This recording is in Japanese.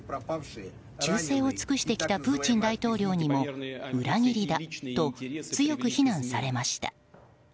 忠誠を尽くしてきたプーチン大統領にも、裏切りだと強く非難されました。